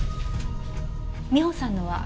美帆さんのは？